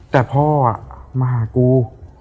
แต่พ่อมาหากู